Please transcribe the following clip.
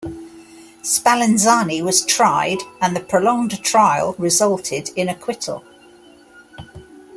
Spallanzani was tried and the prolonged trial resulted in acquittal.